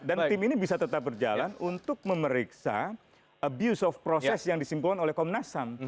tim ini bisa tetap berjalan untuk memeriksa abuse of process yang disimpulkan oleh komnas ham